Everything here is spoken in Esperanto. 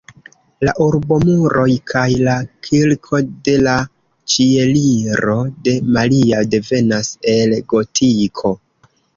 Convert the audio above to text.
La urbomuroj kaj la kirko de la Ĉieliro de Maria devenas el gotiko.